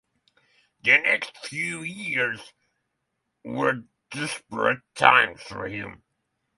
The next few years were desperate times for him.